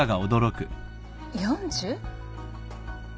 ４０？